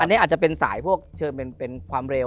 อันนี้อาจจะเป็นสายพวกเชิงเป็นความเร็ว